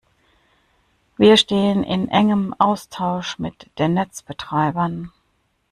Wir stehen in engem Austausch mit den Netzbetreibern.